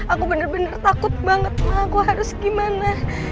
aku bener bener takut banget sama aku harus gimana